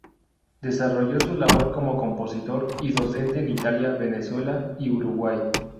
Desarrolló su labor como compositor y docente en Italia, Venezuela y Uruguay.